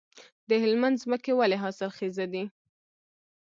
د هلمند ځمکې ولې حاصلخیزه دي؟